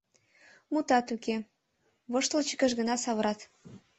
Мутат уке, воштылчыкыш гына савырат.